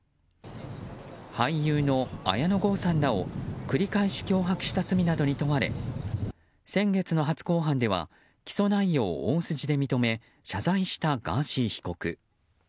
俳優の綾野剛さんらを繰り返し脅迫した罪などに問われ先月の初公判では起訴内容を大筋で認め謝罪したガーシー被告。